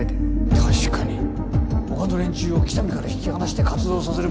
確かに他の連中を喜多見から引き離して活動させれば